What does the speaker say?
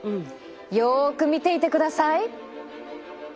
よく見ていてください。